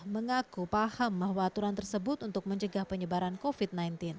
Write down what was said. mengaku paham bahwa aturan tersebut untuk mencegah penyebaran covid sembilan belas